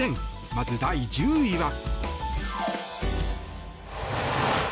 まず、第１０位は。